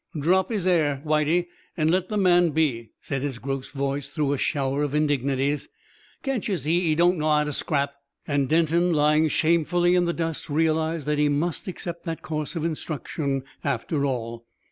"Drop 'is 'air, Whitey, and let the man be," said his gross voice through a shower of indignities. "Can't you see 'e don't know 'ow to scrap?" And Denton, lying shamefully in the dust, realised that he must accept that course of instruction after all.